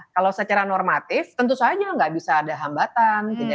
kalau secara normatif tentu saja nggak bisa ada hambatan